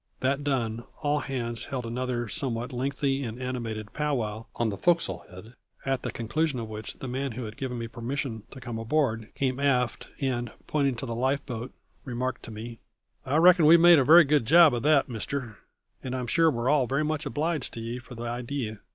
That done, all hands held another somewhat lengthy and animated pow wow on the forecastle head, at the conclusion of which the man who had given me permission to come aboard came aft and, pointing to the life boat, remarked to me: "I reckon we've made a very good job of that, mister, and I'm sure we're all very much obliged to ye for the idee.